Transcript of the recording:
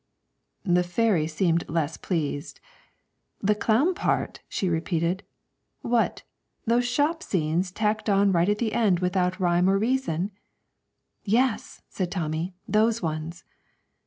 The fairy seemed less pleased. 'The clown part!' she repeated. 'What, those shop scenes tacked on right at the end without rhyme or reason?' 'Yes,' said Tommy, 'those ones!'